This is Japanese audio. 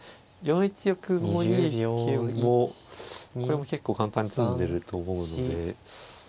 ４一玉５二金もこれも結構簡単に詰んでると思うので。